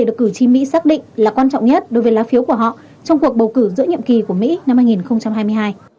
được cử tri mỹ xác định là quan trọng nhất đối với lá phiếu của họ trong cuộc bầu cử giữa nhiệm kỳ của mỹ năm hai nghìn hai mươi hai